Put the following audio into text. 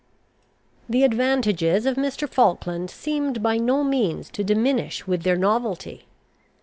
The advantages of Mr. Falkland seemed by no means to diminish with their novelty.